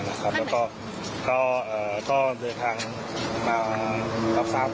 แล้วก็ผิดทางจะกอบตัว